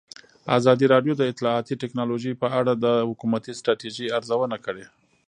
ازادي راډیو د اطلاعاتی تکنالوژي په اړه د حکومتي ستراتیژۍ ارزونه کړې.